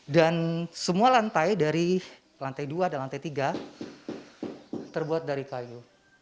dan semua lantai dari lantai dua dan lantai tiga terbuat dari kayu